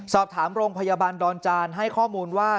สอบถามโรงพยาบาลดอนจานให้ข้อมูลว่า